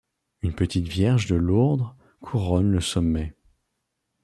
Une petite vierge de Lourdes couronne le sommet.